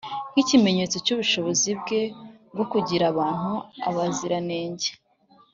nk’ikimenyetso cy’ubushobozi bwe bwo kugira abantu abaziranenge,